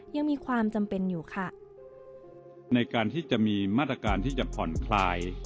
ยังมีความจำเป็นอยู่ค่ะในการที่จะมีมาตรการที่จะผ่อนคลาย